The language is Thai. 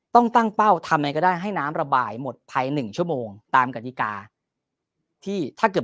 ต้องตั้งเป้าทำไงก็ได้ให้น้ำระบายหมดภาย๑ชั่วโมงตามกฎิกาที่ถ้าเกิด